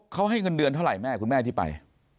เขาให้เงินเดือนเท่าไหร่แม่คุณแม่ที่ไป